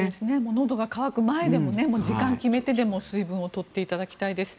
のどが渇く前でも時間を決めてでも水分を取っていただきたいです。